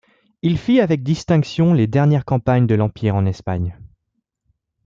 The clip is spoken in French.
Il fit avec distinction les dernières campagnes de l'Empire en Espagne.